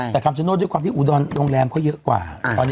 แต่คำจะโน้ทด้วยอุดอนโรงแรมเขาเยอะกว่ามัน